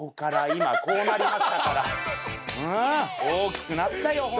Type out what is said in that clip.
大きくなったよ